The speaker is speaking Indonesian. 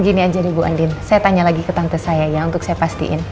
gini aja deh bu andin saya tanya lagi ke tante saya ya untuk saya pastiin